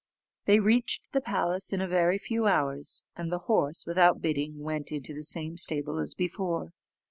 They reached the palace in a very few hours, and the horse, without bidding, went into the same stable as before.